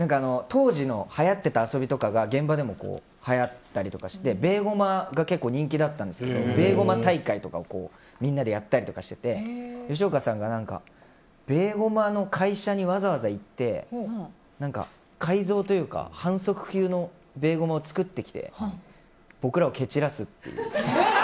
当時のはやってた遊びとかが現場でもはやったりしてベーゴマが人気だったんですけどベーゴマ大会とかみんなでやったりしてて吉岡さんが、ベーゴマの会社にわざわざ行って改造というか反則級のベーゴマを作ってきて僕らを蹴散らすという。